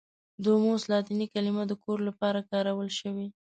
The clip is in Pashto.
دوموس لاتیني کلمه د کور لپاره کارول شوې.